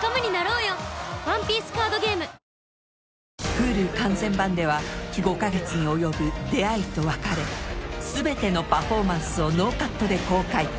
Ｈｕｌｕ完全版では５か月に及ぶ出会いと別れ全てのパフォーマンスをノーカットで公開